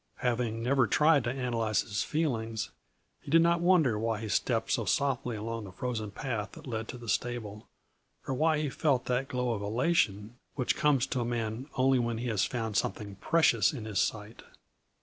Having never tried to analyze his feelings, he did not wonder why he stepped so softly along the frozen path that led to the stable, or why he felt that glow of elation which comes to a man only when he has found something precious in his sight.